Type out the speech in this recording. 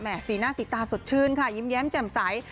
สีหน้าสีตาสดชื่นค่ะยิ้มแย้มแจ่มใส